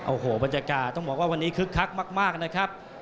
โอ้โหบรรยากาศต้องบอกว่าวันนี้คึกคักมากนะครับ